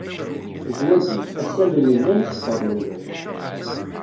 Zwaǧ-is, assalen llan, isebbaḍen ulac.